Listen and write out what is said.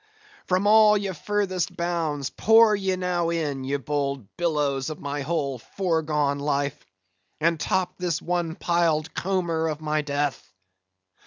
from all your furthest bounds, pour ye now in, ye bold billows of my whole foregone life, and top this one piled comber of my death!